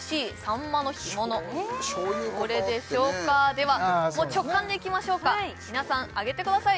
ではもう直感でいきましょうか皆さん上げてください